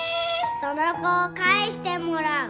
その子を返してもらう！